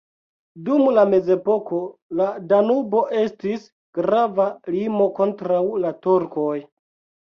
Dum la mezepoko la Danubo estis grava limo kontraŭ la turkoj.